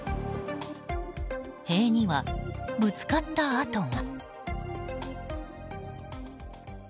塀には、ぶつかった跡が。